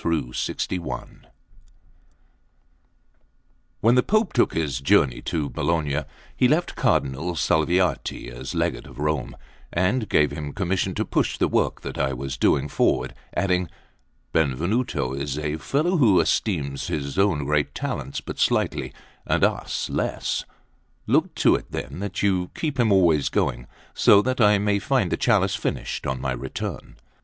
LVII WHEN the Pope took his journey to Bologna, he left Cardinal Salviati as Legate of Rome, and gave him commission to push the work that I was doing forward, adding: "Benvenuto is a fellow who esteems his own great talents but slightly, and us less; look to it then that you keep him always going, so that I may find the chalice finished on my return."